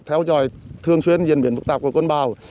theo dõi thường xuyên diễn biến phức tạp của con bào